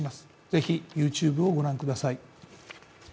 ぜひＹｏｕＴｕｂｅを御覧ください。